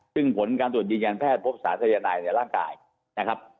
ซึ่งผลการตรวจยืนยันแพทย์พบสารสายนายในร่างกายนะครับ